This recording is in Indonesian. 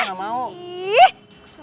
enggak mau tiara